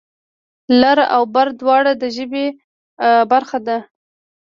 لر و بر دواړه د ژبې برخه دي.